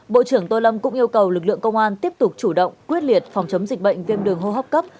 bộ trưởng tô lâm cũng yêu cầu lực lượng công an tiếp tục chủ động quyết liệt phòng chống dịch bệnh viêm đường hô hấp cấp